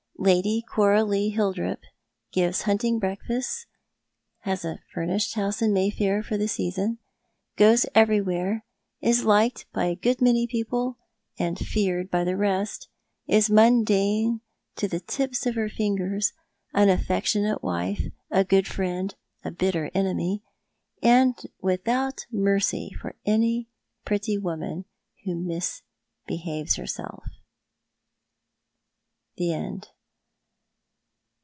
Lady Coralie Hildrop gives hunting breakfasts, has a furnished house in Mayfair for the season, goes everywhere, is liked by a good many people, and feared by the rest ; is mundane to the tips of her fingers, an affectionate wife, a good friend, a bitter enemy, and without mercy for any pretty woman who mis behaves herself. THE END.